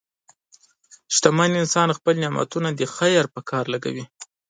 شتمن انسان خپل نعمتونه د خیر په کار لګوي.